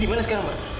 dia gimana sekarang ma